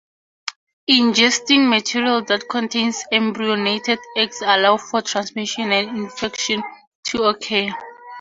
Ingesting material that contains embryonated eggs allows for transmission and infection to occur.